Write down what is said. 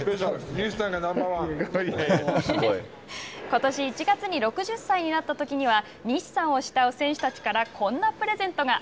ことし１月に６０歳になったときには西さんを慕う選手たちからこんなプレゼントが。